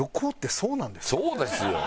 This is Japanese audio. そうですよ。